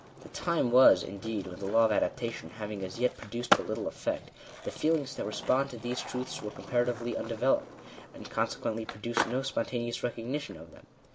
The time was, indeed, when the law of adaptation having as yet produced but little effect, the feelings that respond to these truths were comparatively un developed, and consequently produced no spontaneous recog nition of them.